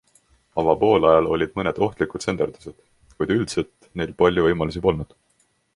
Avapoolajal olid mõned ohtlikud tsenderdused, kuid üldiselt neil palju võimalusi polnud.